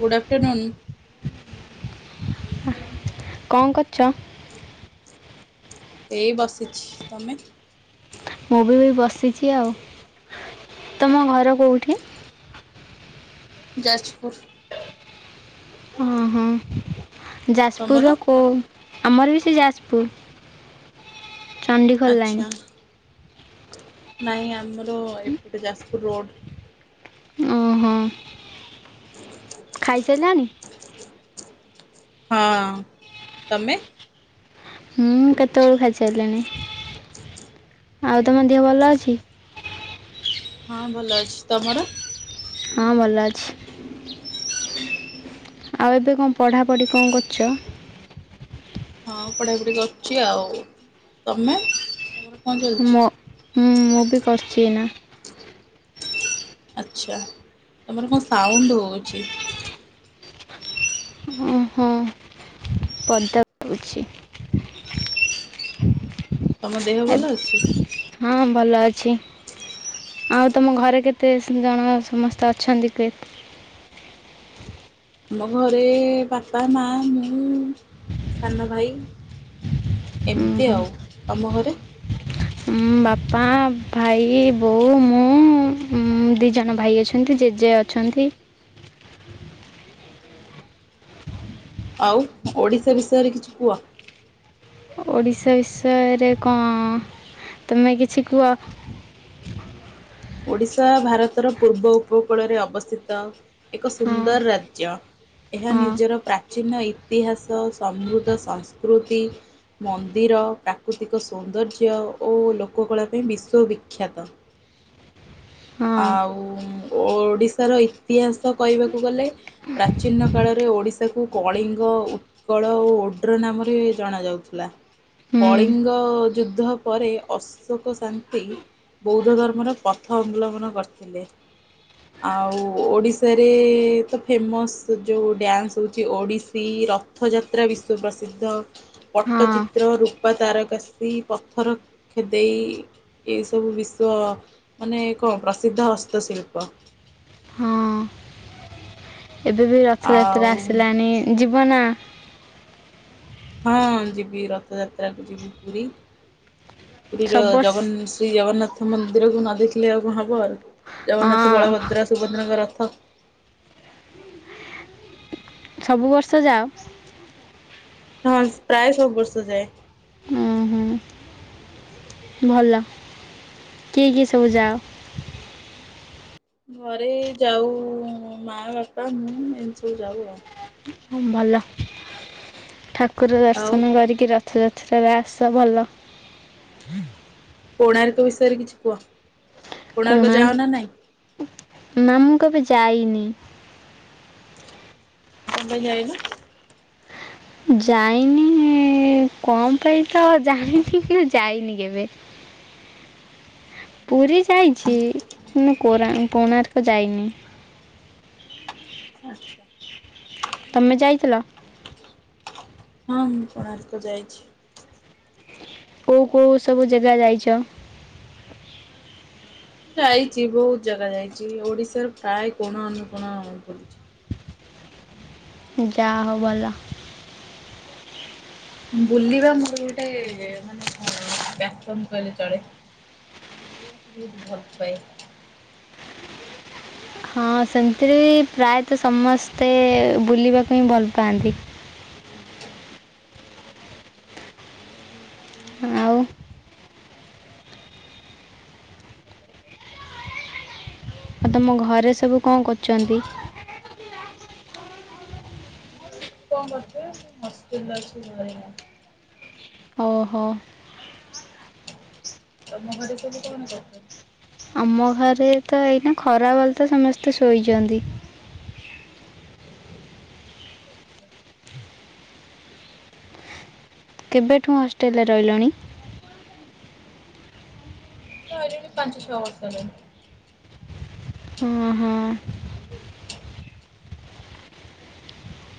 ଗୁଡ afternoon. ଙ୍କ କରୁଚ? [inaudible] ଏଇ ବସିଛି ତମେ ମୁଁ ବି ବସିଛି ଆଉ ତମ ଘର କଉଁଠି? ଯାଜପୁର, ଓଁ ହଁ ତମର? ଯାଜପୁରର କଉ ଆମର ବି ସେଇ ଯାଜପୁର। ଚଣ୍ଡିଖୋଲ ଆଚ୍ଛା ଲାଇନ। ନାଇଁ ଆମର ଏପଟେ ଯାଜପୁର ରୋଡ। ଓ ହୋ, ହ ଖାଇ ସାଇଲଣିି? ହଁ ତମେ? ହୁଁ କେତେବେଳୁ ଖାଇସାରିଲିଣି ଆଉ ତମ ଦେହ ଭଲ ଅଛି। ହଁ ଭଲ ଅଛି ତମର? ହଁ ଭଲଅଛି। ଆଉ ଏବେ କଣ ପଢ଼ାପଢ଼ି କଣ କରୁଛ? ହଁ ପଢ଼ି ପଢ଼ି କରୁଛି ଆଉ ତମେ? ତମର କଣ ଚାଲିଛି ମୁଁ ମୁଁ ବି କରୁଚି ଏଇନା। ଆଚ୍ଛା ତମର କଣ ସାଉଣ୍ଡ ହଉଚି। ପଦକୁ ପାଉଛି, ତମ ଦେହ ଭଲ ଏବ୍- ଅଛି? ହଁ ଭଲ ଅଛି। ଆଉ ତମ ଘରେ କେତେ ଜଣ ସମସ୍ତେ ଅଛନ୍ତି କେଏ ଆମ ଘରେ ବାପା ମା ମୁଁ ସାନ ଭାଇ। ହୁଁ ଏମିତି ହୁଁ ଆଉ ତମ ଘରେ? ବାପା ଭାଇ ବୋଉ ମୁଁ ଦିଇ ଜଣ ଭାଇ ଅଛନ୍ତି ଜେଜେ ଅଛନ୍ତି। ଆଉ ଓଡ଼ିଶା ବିଷୟରେ କିଛି କୁହ। ଓଡ଼ିଶା ବିଷୟରେ କଣ ତମେ କିଛି କୁହ? ହ ଓଡିଶା ଭାରତର ପୂର୍ବ ଉପକୂଳରେ ଅବସ୍ଥିତ। ଏକ ହଁ ସୁନ୍ଦର ରାଜ୍ୟ ଏହା ହଁ ନିଜର ପ୍ରାଚୀନ ଇ ଇତିହାସ ସମୃଦ୍ଧ ସଂସ୍କୃତି। ମନ୍ଦିର ପ୍ରାକୃତିକ ସୌନ୍ଦର୍ଯ୍ୟ ଓ ଲୋକକଳା ପାଇଁ ବିଶ୍ୱବିଖ୍ୟାତ। ହଁ ଆଉ ଓଡ଼ିଶାର ଇତିହାସ କହିବାକୁ ଗଲେ ପ୍ରାଚୀନ କାଳରେ ଓଡ଼ିଶାକୁ କଳିଙ୍ଗ ଓ ଉତ୍କଳ ଓ ଉଦ୍ର ନାମରେ ଜଣ ଯାଉଥିଲା। ହୁଁ କଳିଙ୍ଗ ଯୁଦ୍ଧ ପରେ ଅଶୋକ ଶାନ୍ତି ବୌଦ୍ଧ ଧର୍ମର ପଥ ଅବଲମ୍ବନ କରିଥିଲେ। ଆଉ ଓଡିଶାରେ ତ ଫେମସ ଯୋଉ ଡ୍ୟାନ୍ସ ହଉଛି ଓଡିଶୀ ଇ ରଥଯାତ୍ରା ବିଶ୍ଵ ପ୍ରସିଦ୍ଧ ହଁ ପଟ୍ଟଚିତ୍ର ର ତାର କାସି ପଥର ଖେଦେଇ ଏସବୁ ବିଶ୍ଵ ମାନେ ଏ କଣ ପ୍ରସିଦ୍ଧ ହସ୍ତଶିଳ୍ପ। ହଁ ଏବେ ବି ରଥଯାତ୍ରା ଆଉ ଆସିଲାଣି ଯିବ ନା। ହଁ ଯିବି ରଥଯାତ୍ରାକୁ ଯିବି ପୁରୀ। ପୁରୀର ସବୁ ବର୍ଷ ଜଗନ୍ ଶ୍ରୀ ଜଗନ୍ନାଥ ମନ୍ଦିରକୁ ନ ଦେଖିଲେ ଆଉ କଣ ହବ ଆ। ଜଗନ୍ନାଥ ହଁ ବଳଭଦ୍ର ସୁଭଦ୍ରା ଙ୍କ ରଥ। ସବୁ ବର୍ଷ ଯାଅ। ହଁ ପ୍ରାୟ ସବୁ ବର୍ଷ ଯାଏ। ଉଁ ହୁଁ ଭଲ କିଏ କିଏ ସବୁ ଯାଅ। ଘରେ ଯାଉ ମା ବାପା ମୁଁ ଏମିତି ଯାଉ ଆଉ। ଭଲ ଠାକୁର ଆଉ ଦର୍ଶନ କରିକି ରଥଯାତ୍ରା। ଆସ ଭଲ। କୋଣାର୍କ ବିଷୟରେ କିଛି କୁହ କୋଣାର୍କ ଯାଅ ନା ନାହିଁ। ନା ମୁ କେବେ ଯାଇନି। କଣ ପାଇଁ ଜାଇନ? ଯାଇନି କଣ ପାଇଁ ତ ଜାଣିନି କିନ୍ତୁ ଯାଇନି କେବେ। ହଁ [unintelligible] ପୁରୀ ଯାଇଛି କିନ୍ତୁ କୋଣାର୍କ ଯାଇନି। ଆଚ୍ଛା ତମେ ଯାଇଥିଲ? ମୁ କୋଣାର୍କ ଯାଇଛି। କୋଉ କୋଉ ସବୁ ଜାଗା ଯାଇଛ? ଯାଇଛି ବହୁତ ଜାଗା ଯାଇଛି ଓଡିଶାର ପ୍ରାୟ କୋଣ ଅନୁକୋଣ ଯା ହଉ ଭଲ। ବୁଲିବା ମୋର ଗୋଟେ ମାନେ କଣ ମ୍ୟାସନ୍ କହିଲେ ଚଳେ। ବୁଲିବାକୁ ମୁଁ ବହୁତ ଭଲ ପାଏ। ହଁ ସେମିତିରେ ବି ପ୍ରାୟତଃ ସମସ୍ତେ ବୁଲିବାକୁ ଭଲ ପାଆନ୍ତି। ଆଉ। [inaudible] ଆଉ ତମ ଘରେ ସବୁ କଣ କରୁଛନ୍ତି? ଆମ ଘରେ କଣ କରୁଥିବେ ମୁଁ ହଷ୍ଟେଲ୍ ଅଛି ଘରେ ନାହିଁ। ଓହୋ। ତମ ଘରେ ସବୁ କଣ କରୁଛ? ଆମ ଘରେ ତ ଏଇନା ଖରା ବେଲଟା ସମସ୍ତେ ଶୋଇଛନ୍ତି। କେବେଠୁ ହଷ୍ଟେଲରେ ରହିଲଣି? ମୁଁ ପାଞ୍ଚ ଛଅ ବର୍ଷ ହେଲାଣି। ହଁ ହଁ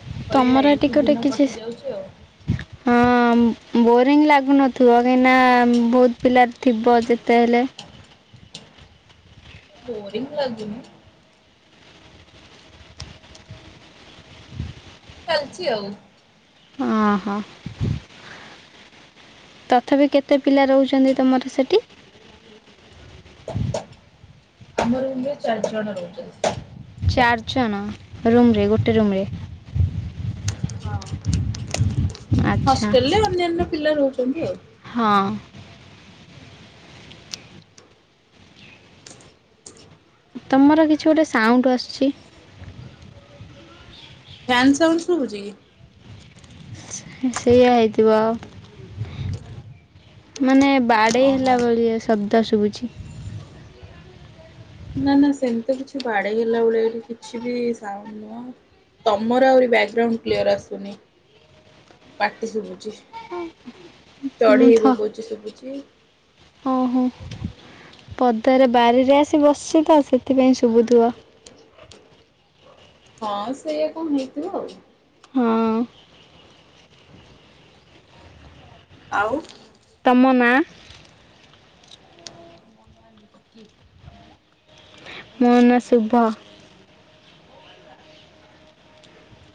କଣ କରିବା ତମର ଏଠି ଏଇଠି ଗୋଟେ ଦିନ କିଛି କଟି ଯାଉଛି ଆଉ। ହଁ। ବୋରିଂ ଲାଗୁନଥିବ କାହିଁକି ନା ବହୁତ ପିଲା ଥିବ ଯେତେ ହେଲେ। ବୋରିଂ ତ ଲାଗୁନି। ଚାଲିଛି ଆଉ। ଓ ହୋ। ତଥାପି କେତେ ପିଲା ରହୁଛନ୍ତି ତୁମର ସେଠି? [inaudible] ଆମ ରୁମରେ ଚାରି ଜଣ ରହୁଛନ୍ତି। ଚାରିଜଣ ରୁମ ରେ ଗୋଟେ ରୁମରେ। ଆଚ୍ଛା ହଷ୍ଟେଲରେ ଅନ୍ୟାନ୍ୟ ପିଲା ରହୁଛନ୍ତି ଆଉ। ହଁ ତମର କିଛି ଗୋଟେ ସାଉଣ୍ଡ ଆସୁଛି। ଫ୍ୟାନ୍ ସାଉଣ୍ଡ ଶୁଭୁଛି କି? ସେଇଆ ହେଇଥିବ ଅ। ମାନେ ବାଡ଼େଇ ଓହୋ ହେଲା ଭଳି ଶବ୍ଦ ଶୁଵୁଚି। ନା ନା ସେମିତି କିଛି ବାଡେଇହେଲା ଭଳିଆ ଏଠି କିଛି ବି ସାଉଣ୍ଡୁ ନୁହଁ। ତମର ଆହୁରି ବ୍ୟାକ୍ଗ୍ରାଉଣ୍ଡ କ୍ଲିୟର୍ ଆସୁନି। ପାଟି ଶୁଭୁଚି ଚଢେଇ ବୋ ବୋଉଛି ଶୁଭୁଛିି। ଓ ହୋ। ପଦାରେ ବାରିରେ ଆସି ବସିଛି ତ ସେଥିପାଇଁ ଶୁଭୁଥିବ। ହଁ ସେଇଆ କଣ ହେଇଥିବ ଆଉ। ହଁ। ଆଉ ତମ ନାଁ? ମୋ ନାଁ ବିକି ତମ ନାଁ ମୋ ନାଁ ଶୁଭ।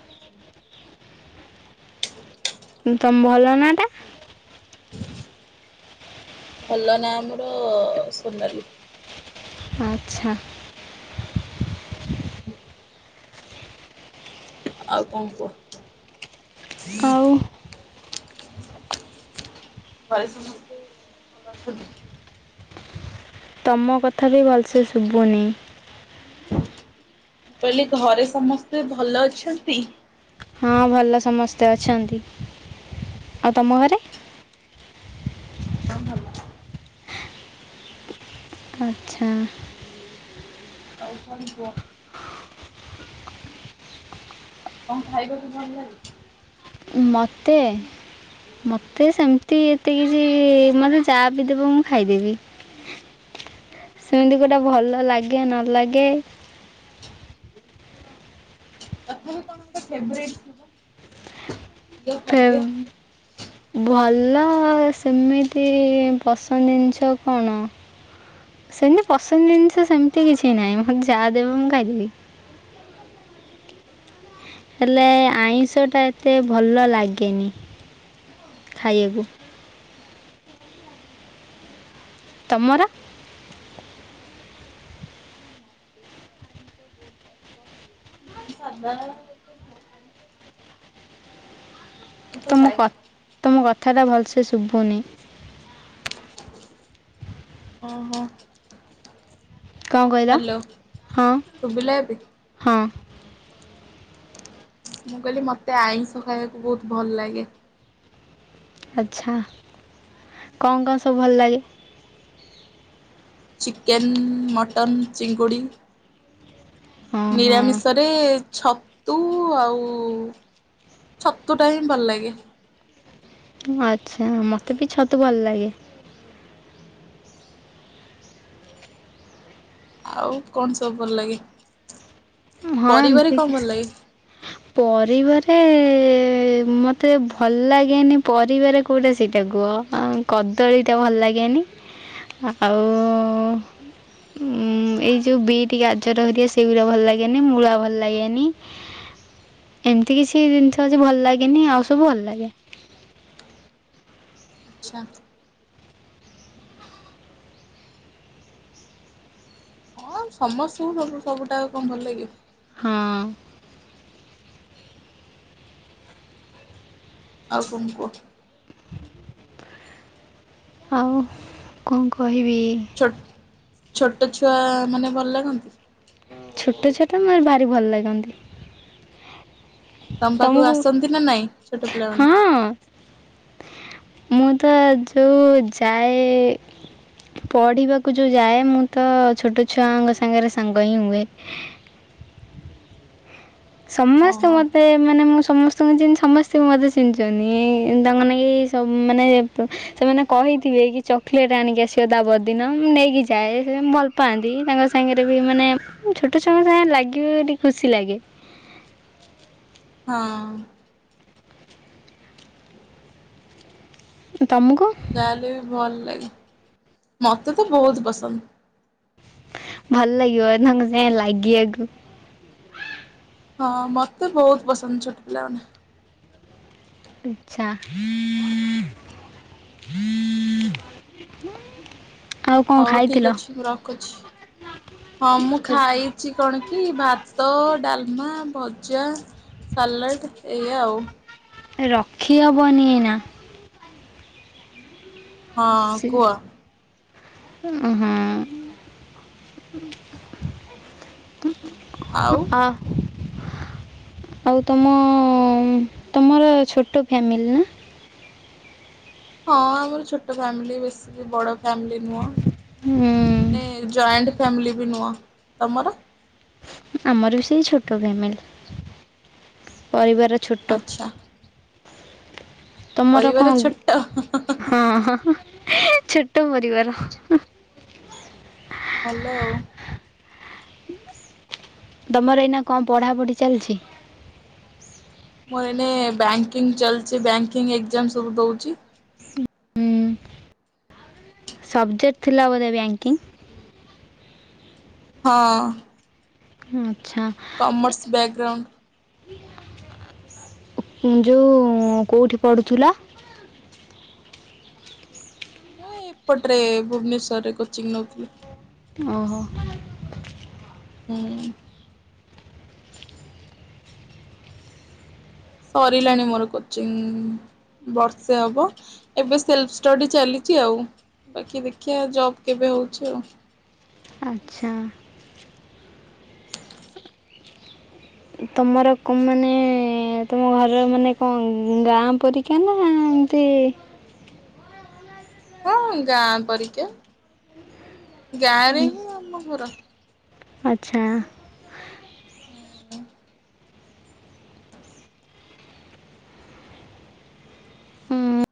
ଆଚ୍ଛା। ତମ ଭଲ ନାଁ ଟା? ଭଲ ନାଁ ମୋର ସୋନାଲି। ଆଚ୍ଛା। [inaudible] ଆଉ କଣ କୁହ? ଆଉ ଭ ସମସ୍ତେ ଭଲ ଅଛନ୍ତି? ତମ କଥା ବି ଭଲସେ ଶୁଭୁନି। ମୁଁ କହିଲି ଘରେ ସମସ୍ତେ ଭଲ ଅଛନ୍ତି? ହଁ ଭଲ ସମସ୍ତେ ଅଛନ୍ତି। ଆଉ ତମ ଘରେ? [inaudible] ଆଚ୍ଛା। ଅଉ କଣ କୁହ? କଣ ଖାଇବାକୁ ଭଲ ଲାଗୁଛି। ମୋତେ। ମତେ ସେମିତି ଏତେ କିଛି ମତେ ଯହା ବି ଦେବ ମୁଁ ଖାଇଦେବି। [inaudible] ସେମିତି ଗୋଟେ ଭଲ ଲାଗେ ନ ଲାଗେ ଫେବ୍ରାଇଟ ଫେ [unintelligible] ଭଲ ସେମିତି ପସନ୍ଦ ଜିନିଷ କଣ ସେମିତି ପସନ୍ଦ ଜିନିଷ ସେମିତି କିଛି ନାହିଁ ମତେ ଯାହା ଦେବ ମୁଁ ଖାଇଦେବି। [inaudible] ହେଲେ ଆଇଁଷଟା ଏତେ ଭଲ ଲାଗେନି। ଖାଇବାକୁ। ତମର? ମତେ [unintelligible] [inaudible] ଉପଥାଏ କଥା ଟା ଭଲସେ ଶୁଭୁନି। ଓ ହୋ। କଣ କହିଲା ହଁ ଶୁଭିଲା ଏବେ? ହଁ। ମୁଁ କହିଲି ମତେ ଆଇଁଷ ଖାଇବାକୁ ବହୁତ ଭଲ ଲାଗେ। ଆ୍ଛା କଣ କଣ ସବୁ ଭଲ ଲାଗେ? ଚିକେନ ମଟନ ଚିଙ୍ଗୁଡ଼ି। ହଁ ହଁ ନିରାମିଷ ରେ ଛତୁ ଆଉ ଛତୁ ଟା ହିଁ ଭଲ ଲାଗେ। ଆଚ୍ଛା ମତେ ବି ଛତୁ ଭଲ ଲାଗେ। ଆଉ କଣ ସବୁ ଭଲ ଲାଗେ? ହଁ ପରିବାରେ ଏମିତି କଣ କି ଭଲ ଲାଗେ? ପରିବାରେ ମତେ ଭଲ ଲାଗେନି ପରିବାରେ କେଉଟା ସେଇଟା କୁହ। କଦଳୀଟା ଭଲ ଲାଗେନି ଆଉ ଉଁ ଏଇ ଯୋଉ ବିଟ, ଗାଜର ଭଲ ସେଇଗୁଡା ଭଲ ଲାଗେ ଲି ମୂଳା ଭଲ ଲାଗେନି ଏମିତି କିଛି ଜିନିଷ ଅଛି ଭଲ ଲାଗେନି ଆଉ ସବୁ ଭଲ ଲାଗେ। ଆଚ୍ଛା। ହଁ ସମସ୍ତଙ୍କୁ ସବୁ ସବୁଟା କଣ ଭଲ ଲାଗିବ। ହଁ। ଆଉ କଣ କୁହ। ଆଉ କଣ କହିବି। ଛୋ ଛୋଟ ଛୁଆ ମାନେ ଭଲ ଲାଗନ୍ତି? ଛୋଟ ଛୋଟ ମୋ ଭାରି ଭଲ ଲାଗନ୍ତି। ତମ ପାଖକୁ ତୁମକୁ ଆସନ୍ତି ନା ନାଇଁ ଛୋଟ ପିଲାମାନେ? ହଁ ମୁଁ ତ ଯୋଉଁ ଯାଏ ପଢ଼ିବାକୁ ଯଉ ଯାଏ ମୁଁ ତ ଛୋଟ ଛୁଆଙ୍କ ସାଙ୍ଗରେ ସାଙ୍ଗ ହିଁ ହୁଏ। ସମସ୍ତେ ଓହୋ ମତେ ମାନେ ମୁଁ ସମସ୍ତେ [unintelligible] ସମସ୍ତେଙ୍କୁ ମତେ ଚିଣିଛନ୍ତି ଏଇ ତାଙ୍କନାକି ସବୁ ମାନେ ସେମାନେ କହିଥିବେ। ଦେଇକି ଚକଲେଟ ଆଣିକି ଆସିବ ତାପର ଦିନ ମୁଁ ନେଇକି ଯାଏ ସେ ଭଲ ପାଆନ୍ତି ତାଙ୍କ ସାଙ୍ଗରେ ବି ମାନେ ଛୋଟ ଛୁଆଙ୍କ ସାଙ୍ଗେ ଲାଗିବ ଟିକେ ଖୁସି ଲାଗେ। ହଁ। ତୁମକୁ ଯାହାହେଲେବି ଭଲ ଲାଗେ ମତେ ତ ବହୁତ ପସନ୍ଦ। ଭଲ ଲାଗିବ ତାଙ୍କ ସାଙ୍ଗେ ଲାଗିବାକୁ। ହଁ ମତେ ବହୁତ ପସନ୍ଦ ଛୋଟ ପିଲାମାନେ। ଆଛା। ହୁଁ ହଉ ଠିକ ଅଛି ମୁଁ ରଖୁଚି। ହଁ ମୁଁ ଖାଇଚି କଣ କି ଭାତ ଡାଲମା ଭ ଭଜା ସାଲାଟ ଏଇଆ ଆଉ। ରଖିହବନି ଏଇନା ହଁ କୁଅ। ଉଁ ହୁଁ। ଆଉ ହଁ ଅ ଆଉ ତମ ତମର ଛୋଟ ଫ୍ୟାମିଲି ନା। ହଁ ଆମର ଛୋଟ ଫ୍ୟାମିଲି ବେଶୀ ବଡ ଫାମଲି ନୁହଁ ହୁଁ। ମାନେ ଜୈଣ୍ଟ ଫ୍ୟାମିଲ ବି ନୁହ ତମର ଆମର ବି ସେଇ ଛୋଟ ଫ୍ୟାମିଲ ପରିବାର। ଛୋଟ ଆଛା। ତମର ଙ୍କ ହଁ ହଁ ହଁ ହଁ ଏ ଛୋଟ ପରିବାର। ଭଲ ଆଉ। ତମର ଏଇନା କଣ ପଢାପଢି ଚାଲିଛି? ମୋର ଏବେ ବ୍ୟାଙ୍କୀଙ୍ଗ ଚାଲୁଚି ବ୍ୟାଙ୍କୀଙ୍ଗ ଏକଜାମ ସବୁ ଦଉଚି। ଉଁ ସବଜେକ୍ଟ ଥିଲା ବୋଧେ ବ୍ୟାଙ୍କିଙ୍ଗ ହଁ। ହଁ କମର୍ସ ବ୍ୟାଗଗ୍ରାଉଣ୍ଡ ଯୋଉ କୋଉଠି ପଢୁଥିଲ? ମୁଁ ଏପଟରେ ଭୁବନେଶ୍ଵରରେ କୋଚିଂ ନଉଥିଲି। ଓହୋ। ହୁଁ। ସରିଲାଣି ମୋର କୋଚିଂ। ବର୍ଷେ ହବ ଏବେ ସେଲଫ ଷ୍ଟଡି ଚାଲିଚି ଆଉ। ବାକି ଦେଖିବା ଜବ କେବେ ହଉଚି ଆଉ। ଆଛା। [unintelligible] ତମର ମାନେ ତମ ଘରର ମାନେ କଣ ଗାଁ ପରୀକ୍ଷା ନା ନ୍ତି ହଁ ଗାଁ ପରୀକ୍ଷା ଗାଁରେ ହିଁ ଆମ ଘର। ଆଛା। ହୁଁ ହୁଁ,